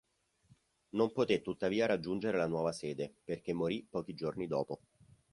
Non poté tuttavia raggiungere la nuova sede perché morì pochi giorni dopo.